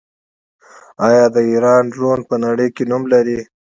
آیا د ایران ډرون په نړۍ کې نوم نلري؟